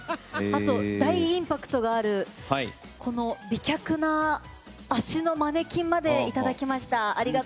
あと大インパクトがある美脚な足のマネキンまでいただきました。